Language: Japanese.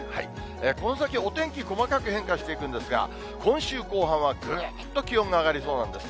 この先、お天気、細かく変化していくんですが、今週後半はぐっと気温が上がりそうなんです。